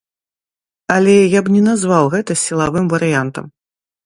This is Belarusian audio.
Але я б не назваў гэта сілавым варыянтам.